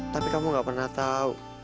tapi kamu gak pernah tahu